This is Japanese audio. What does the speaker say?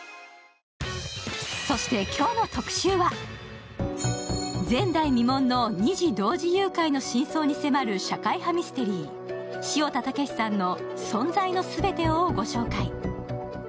そして、今日の特集は前代未聞の二児同時誘拐の真相に迫る社会派ミステリー塩田武士さんの「存在のすべてを」をご紹介。